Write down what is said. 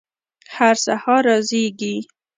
هر سهار را زیږي